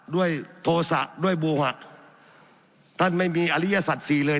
ด้วยโทษะด้วยโบหะท่านไม่มีอริยศัตว์สี่เลย